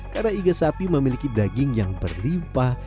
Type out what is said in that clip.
karena iget sapi memiliki daging yang berlimpah